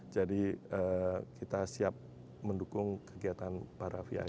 jadi kita siap mendukung kegiatan para vvip